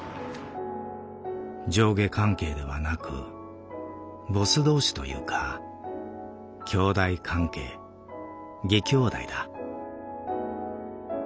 「上下関係ではなくボス同士というか兄弟関係義兄弟だ」。